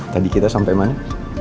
tadi kita sampe mana